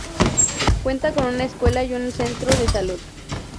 Cuenta con una escuela y un centro de salud.